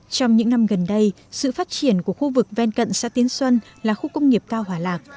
trong những năm gần đây sự phát triển của khu vực ven cận xã tiến xuân là khu công nghiệp cao hỏa lạc